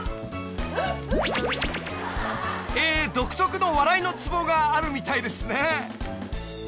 ［独特の笑いのつぼがあるみたいですね］